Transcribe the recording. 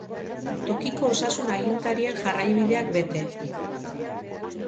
Tokiko osasun-agintarien jarraibideak bete.